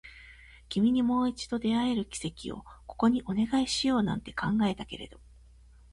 君にもう一度出会える奇跡をここにお願いしようなんて考えたけれど